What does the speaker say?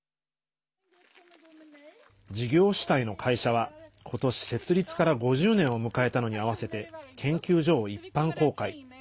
事業主体の会社は今年、設立から５０年を迎えたのに合わせて研究所を一般公開。